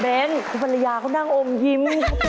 เบนคุณภรรยาเขานั่งอมยิ้ม